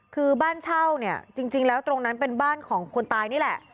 คือบ้านเช่าเนี่ยจริงแล้วตรงนั้นเป็นบ้านของคนตายนี่แหละ